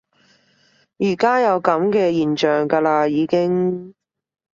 而家有噉嘅現象㗎啦已經